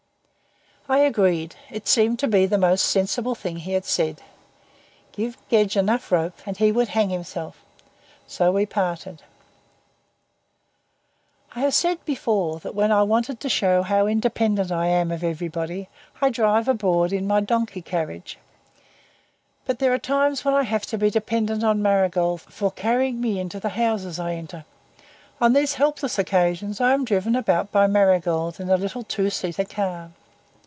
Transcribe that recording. I agreed. It seemed to be the most sensible thing he had said. Give Gedge enough rope and he would hang himself. So we parted. I have said before that when I want to shew how independent I am of everybody I drive abroad in my donkey carriage. But there are times when I have to be dependent on Marigold for carrying me into the houses I enter; on these helpless occasions I am driven about by Marigold in a little two seater car.